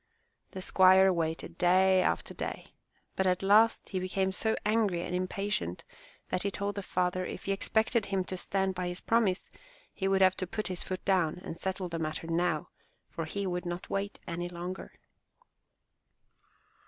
The squire waited day after day, but at last he became so angry and impatient that he told the father, if he expected him 36 THE TREASURE CHEST to stand by his promise, he would have to put his foot down and settle the matter now, for he would not wait any longer.